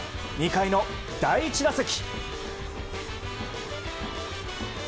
２回の第１打席。